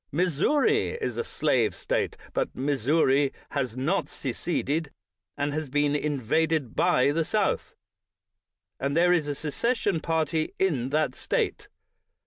]\Iissouri is a slave State ; but Missouri has not seceded, and has been in vaded by the South, and there is a secession party in that State.